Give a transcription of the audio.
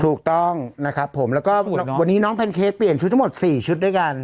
ถูกต้องนะครับผมแล้วก็วันนี้น้องแพนเค้กเปลี่ยนชุดทั้งหมด๔ชุดด้วยกัน